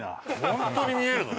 本当に見えるの？